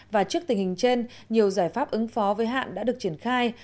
và trước tình hình trên nhiều giải pháp ứng phó với hạn đã được triển khai